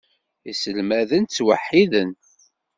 Iselmaden ttwaḥiden.